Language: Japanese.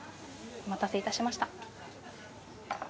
お待たせ致しました。